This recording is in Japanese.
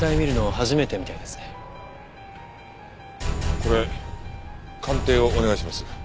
これ鑑定をお願いします。